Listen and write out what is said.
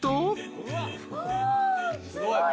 あすごい！